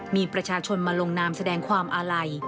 มีประชาชนมาลงนามแสดงความอาลัย